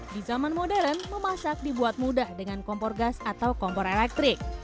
di zaman modern memasak dibuat mudah dengan kompor gas atau kompor elektrik